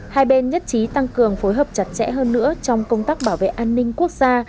hai bên nhất trí tăng cường phối hợp chặt chẽ hơn nữa trong công tác bảo vệ an ninh quốc gia